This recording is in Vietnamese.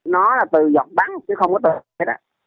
nó là từ giọt bắn chứ không có từ lây ra